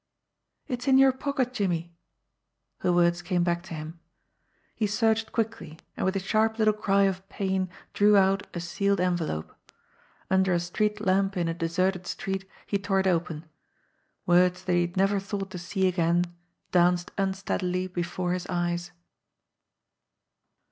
"It's in your pocket, Jimmie." Her words came back to him. He searched quickly, and with a sharp little cry of pain drew out a sealed envelope. Under a street lamp in a deserted street, he tore it open. Words that he had never thought to see again danced unsteadily before his eyes.